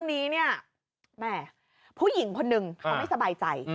นี้เนี่ยแหมผู้หญิงคนหนึ่งเขาไม่สบายใจ